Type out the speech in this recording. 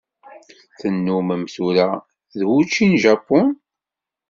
Tennumem tura d wučči n Japun?